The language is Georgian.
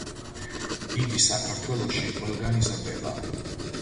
იგი საქართველოში ყველგან იზრდება.